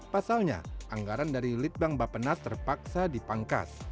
pasalnya anggaran dari litbang bapenas terpaksa dipangkas